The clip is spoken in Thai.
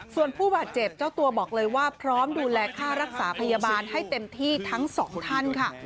ส่วนผู้บาดเจ็บเจ้าตัวบอกเลยว่าพร้อมดูแลค่ารักษาพยาบาลให้เต็มที่ทั้งสองท่านค่ะ